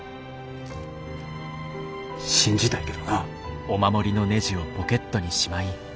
信じたいけどな。